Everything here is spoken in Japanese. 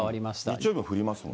日曜日も降りますもんね。